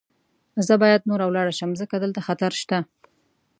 زه باید نوره ولاړه شم، ځکه دلته خطر شته.